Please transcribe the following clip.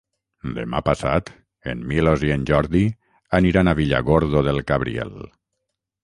Demà passat en Milos i en Jordi aniran a Villargordo del Cabriel.